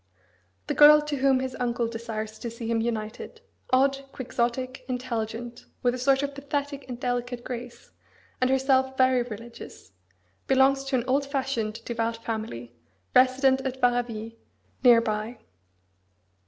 The girl to whom his uncle desires to see him united odd, quixotic, intelligent, with a sort of pathetic and delicate grace, and herself very religious belongs to an old fashioned, devout family,. resident at Varaville, near by.